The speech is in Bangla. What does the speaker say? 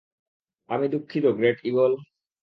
আমি দুঃখিত, গ্রেট ঈগল।